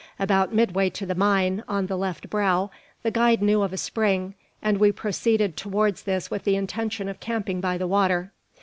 About midway to the mine, on the left brow, the guide knew of a spring, and we proceeded towards this with the intention of camping by the water.